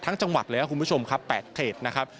จังหวัดเลยครับคุณผู้ชมครับ๘เขตนะครับ